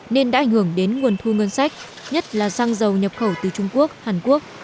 nên đã ảnh hưởng đến nguồn thu ngân sách nhất là xăng dầu nhập khẩu từ trung quốc hàn quốc